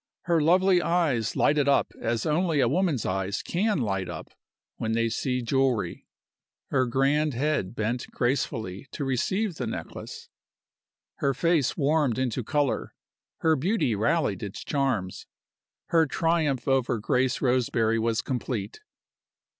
Her lovely eyes lighted up as only a woman's eyes can light up when they see jewelry. Her grand head bent gracefully to receive the necklace. Her face w armed into color; her beauty rallied its charms. Her triumph over Grace Roseberry was complete!